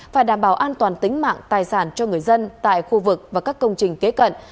phải đảm bảo an toàn tính mạng tài sản cho người dân tại khu vực và các công trình kế cận